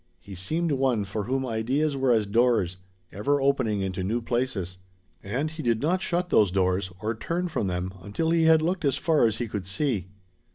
He seemed one for whom ideas were as doors, ever opening into new places. And he did not shut those doors, or turn from them, until he had looked as far as he could see.